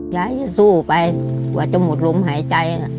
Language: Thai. ยายจะสู้ไปกว่าจะหมดลมหายใจ